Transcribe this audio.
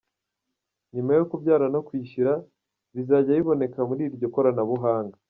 Nyuma yo kubyaka no kwishyura, bizajya biboneka muri iryo koranabuhanga.